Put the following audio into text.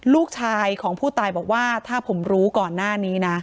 ลูกชายของผู้ตายบอกว่าถ้าผมรู้ก่อนหน้านี้นะ